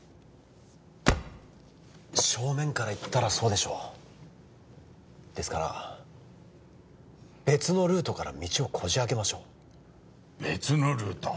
正面から行ったらそうでしょうですから別のルートから道をこじ開けましょう別のルート？